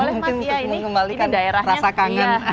mungkin untuk mengembalikan rasa kangen